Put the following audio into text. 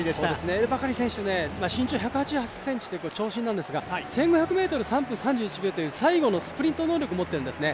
エル・バカリ選手身長１８０ｃｍと長身なんですが、１５００ｍ３分３１秒という最後のスプリント能力を持っているんですね。